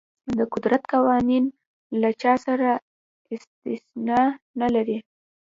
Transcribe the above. د قدرت قوانین له چا سره استثنا نه لري.